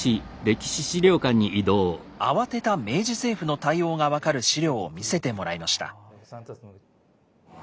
慌てた明治政府の対応が分かる資料を見せてもらいました。